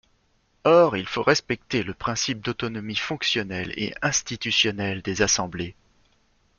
Or il faut respecter le principe d’autonomie fonctionnelle et institutionnelle des assemblées.